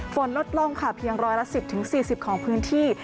ฝนลดลงค่ะเพียง๑๑๐๔๐ของพื้นที่